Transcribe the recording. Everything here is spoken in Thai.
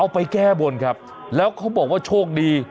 ไปแก้บนครับแล้วเขาบอกว่าโชคดี